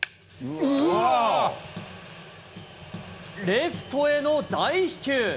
レフトへの大飛球。